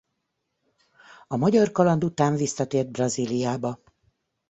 A magyar kaland után visszatért Brazíliába.